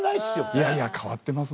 いやいや変わってます